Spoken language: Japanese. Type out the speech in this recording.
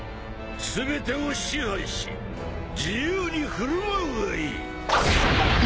全てを支配し自由に振る舞うがいい。